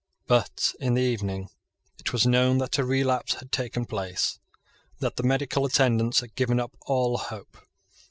But in the evening it was known that a relapse had taken place, and that the medical attendants had given up all hope.